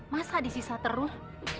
masa disiksa terus